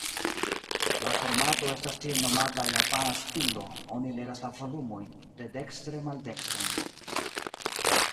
La formato estas tiel-nomata "Japana stilo"; oni legas la volumojn dedekstre-maldekstren.